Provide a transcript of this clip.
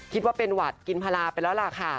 คิดว่าเป็นหวัดกินพลาไปแล้วล่ะค่ะ